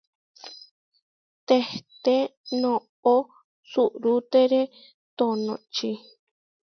Tehté noʼó suʼrútere tonočí.